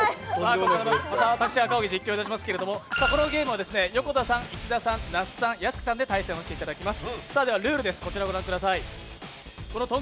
ここからまた赤荻、実況いたしますけれどもこのゲームは横田さん、石田さん、那須さん、屋敷さんで対決していただきます。